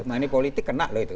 nah ini politik kena loh itu